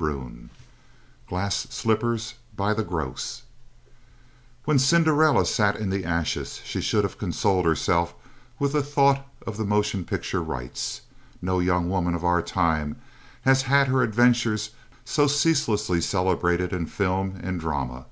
XXVI GLASS SLIPPERS BY THE GROSS When Cinderella sat in the ashes she should have consoled herself with the thought of the motion picture rights. No young woman of our time has had her adventures so ceaselessly celebrated in film and drama.